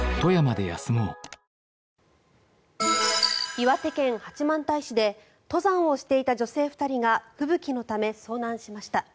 岩手県八幡平市で登山をしていた女性２人が吹雪のため遭難しました。